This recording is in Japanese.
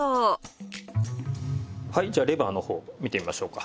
じゃあレバーの方見てみましょうか。